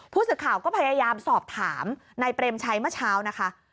ผู้สื่อข่าวก็พยายามสอบถามนายเปรมชัยเมื่อเช้านะคะ